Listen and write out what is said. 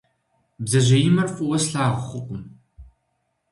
Бдзэжьеимэр фӏыуэ слъагъу хъукъым.